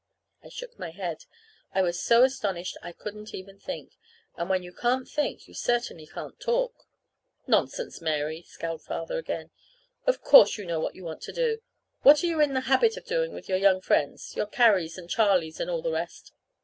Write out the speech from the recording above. I shook my head. I was so astonished I couldn't even think. And when you can't think you certainly can't talk. "Nonsense, Mary," scowled Father again. "Of course you know what you want to do! What are you in the habit of doing with your young friends your Carries and Charlies, and all the rest?"